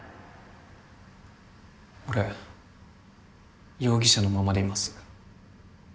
俺容疑者のままでいます